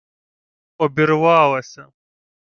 Обірвалася